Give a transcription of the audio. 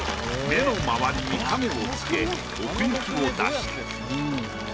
目の周りに影をつけ奥行きを出した。